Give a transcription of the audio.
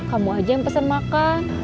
kamu aja yang pesen makan